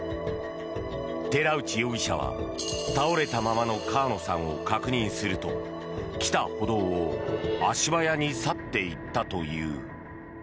寺内容疑者は倒れたままの川野さんを確認すると来た歩道を足早に去っていったという。